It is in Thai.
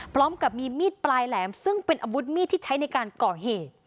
พร้อมกับมีมีดปลายแหลมซึ่งเป็นอาวุธมีดที่ใช้ในการก่อเหตุ